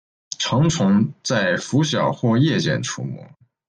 成虫在拂晓或夜间出没。